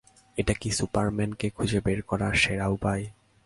এটা কি সুপারম্যানকে খুঁজে বের করার সেরা উপায়?